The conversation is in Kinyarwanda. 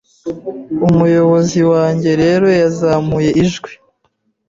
Umuyobozi wanjye rero yazamuye ijwi